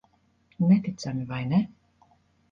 Neticami, vai ne?